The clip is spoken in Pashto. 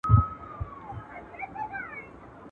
په سپینه ورځ درته راځم د دیدن غل نه یمه ..